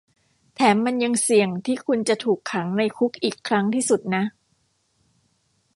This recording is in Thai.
แถมมันยังเสี่ยงที่คุณจะถูกขังในคุกอีกครั้งที่สุดนะ